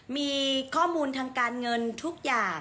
มีข้อมูลทางการเงินทุกอย่าง